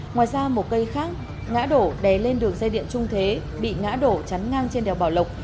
ngoài ra một cây khác ngã đổ đè lên đường dây điện trung thế bị ngã đổ chắn ngang trên đèo bảo lộc